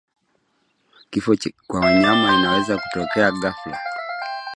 Kifo kwa wanyama kinaweza kutokea ghafla